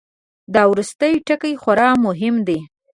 دا وروستی ټکی خورا مهم دی.